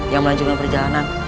yang melanjutkan perjalanan